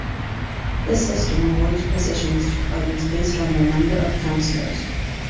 This system awards positions to parties based on their number of councillors.